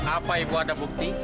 apa ibu ada bukti